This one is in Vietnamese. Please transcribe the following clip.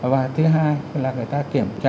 và thứ hai là người ta kiểm tra